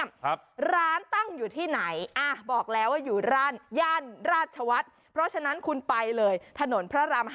ก็ต้องติดต่อเบอร์โทรกันไปก่อนนะ